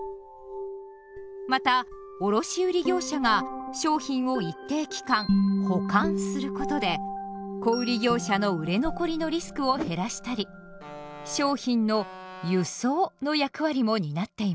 また卸売業者が商品を一定期間「保管」することで小売業者の売れ残りのリスクを減らしたり商品の「輸送」の役割も担っています。